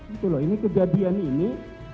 itu loh ini kejadian ini